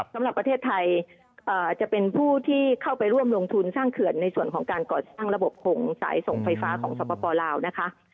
สำหรับประเทศไทยจะเป็นผู้ที่เข้าไปร่วมลงทุนสร้างเขื่อนในส่วนของการก่อสร้างระบบของสายส่งไฟฟ้าของสปลาวนะคะ